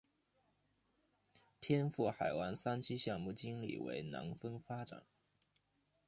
天赋海湾三期项目经理为南丰发展。